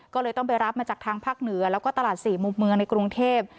ก็เลยต้องไปรับมาจากทางภาคเหนือแล้วก็ตลาดสี่มุมเมืองในกรุงเทพ